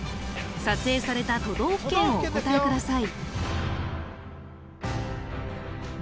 撮影された都道府県をお答えください